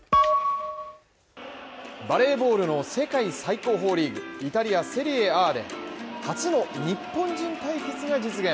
バレーボールの世界最高峰リーグ、イタリアセリエＡで初の日本人対決が実現